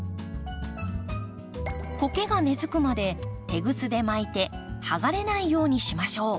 コケが根づくまでテグスで巻いて剥がれないようにしましょう。